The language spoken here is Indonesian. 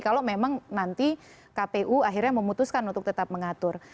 kalau memang nanti kpu akhirnya memutuskan untuk tetap mengatur